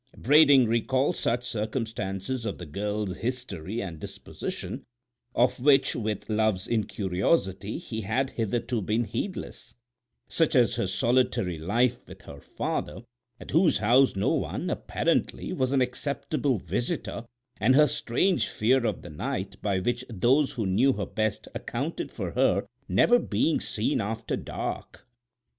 Brading recalled certain circumstances of the girl's history and disposition, of which, with love's incuriosity, he had hitherto been heedless—such as her solitary life with her father, at whose house no one, apparently, was an acceptable visitor and her strange fear of the night, by which those who knew her best accounted for her never being seen after dark.